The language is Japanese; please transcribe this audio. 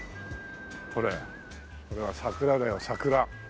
これこれは桜だよ桜。